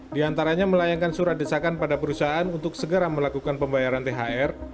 di antaranya melayangkan surat desakan pada perusahaan untuk segera melakukan pembayaran thr